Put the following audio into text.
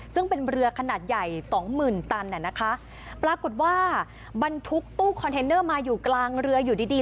ซึ่งเป็นเรือขนาดใหญ่สองหมื่นตันอ่ะนะคะปรากฏว่าบรรทุกตู้คอนเทนเนอร์มาอยู่กลางเรืออยู่ดีดี